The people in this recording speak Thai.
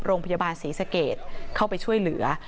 โรงพยาบาลศรีสเกตเข้าไปช่วยเหลือ